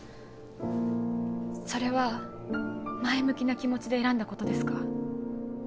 それは前向きな気持ちで選んだことですか？